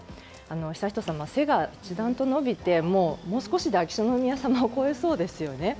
悠仁さまは背が一段と伸びてもう少しで秋篠宮さまを超えそうですよね。